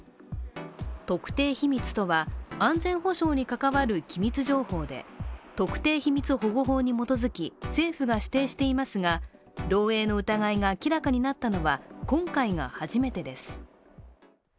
特定秘密とは、安全保障に関わる機密情報で特定秘密保護法に基づき政府が指定していますが漏えいの疑いが明らかになったのは今回が初めてです。